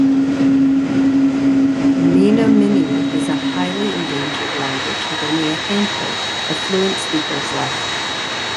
Menominee is a highly endangered language, with only a handful of fluent speakers left.